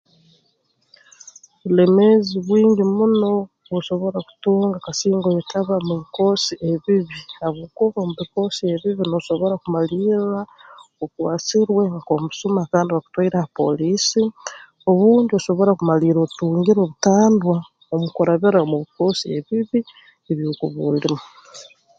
Obulemeezi bwingi muno obu osobora kutunga kasinga oyetaba omu bikoosi ebibi habwokuba omu bikoosi ebibi noosobora kumalirra okwasirwe nk'omusuma kandi bakutwaire ha pooliisi obundi osobora kumalirra otungire obutandwa omukurabira mu bikoosi ebibi ebi okuba olimu